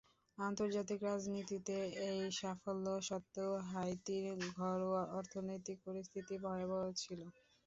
আন্তর্জাতিক রাজনীতিতে এই সাফল্য সত্ত্বেও হাইতির ঘরোয়া অর্থনৈতিক পরিস্থিতি ভয়াবহ ছিল।